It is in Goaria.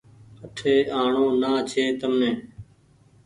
آٺي آڻو نا ڇي تمني